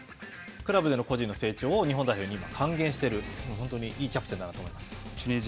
クラブでの個人の成長を日本代表に還元している、本当にいいキャプテンだなと思います。